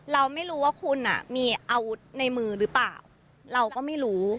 เราไม่รู้ว่าคุณมีอาวุธในมือหรือเปล่าเราก็ไม่รู้